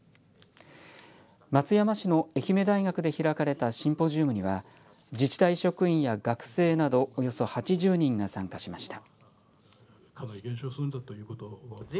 松山市の愛媛大学で開かれたシンポジウムには自治体職員や学生などおよそ８０人が参加しました。